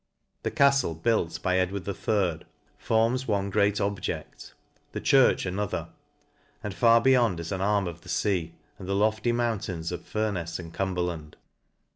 The caftle, built by Ed ward III. forms one great object, the church ano ther j and far beyond is art arm of the lea, and the lofty mountains of Furnefs and Cumberland.